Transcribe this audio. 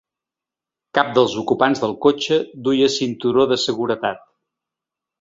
Cap dels ocupants del cotxe duia cinturó de seguretat.